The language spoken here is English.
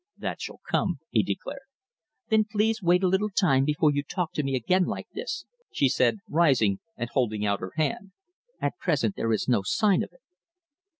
"That shall come," he declared. "Then please wait a little time before you talk to me again like this," she said, rising and holding out her hand. "At present there is no sign of it."